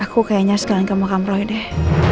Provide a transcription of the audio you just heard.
aku kayaknya sekarang kamu kamploy deh